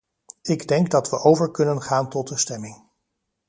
Ik denk dat we over kunnen gaan tot de stemming.